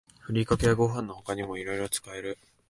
ふりかけはご飯の他にもいろいろ使える